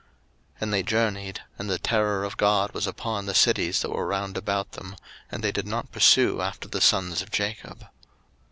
01:035:005 And they journeyed: and the terror of God was upon the cities that were round about them, and they did not pursue after the sons of Jacob.